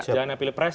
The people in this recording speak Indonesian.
jangan pilih pres